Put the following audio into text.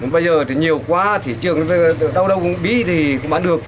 bây giờ thì nhiều quá thị trường đâu đâu bí thì không bán được